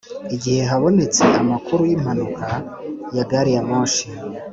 igihe habonetse amakuru y’impanuka ya gari ya moshi